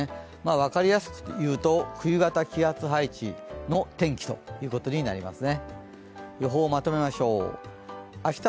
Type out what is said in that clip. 分かりやすく言うと冬型気圧配置の天気ということになりますね。